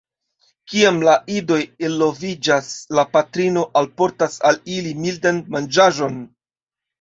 Kiam la idoj eloviĝas la patrino alportas al ili mildan manĝaĵon.